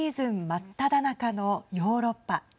真っただ中のヨーロッパ。